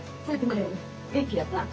元気やった？